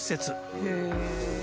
へえ。